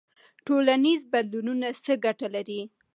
ټولنیز بدلونونه څه ګټه لري؟